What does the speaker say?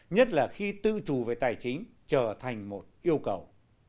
nhất là khi tư trù về tài chính trở thành một yêu cầu